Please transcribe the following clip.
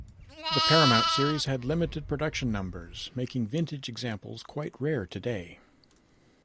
The Paramount series had limited production numbers, making vintage examples quite rare today.